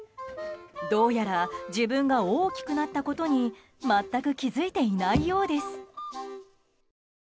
どうやら自分が大きくなったことに全く気付いていないようです。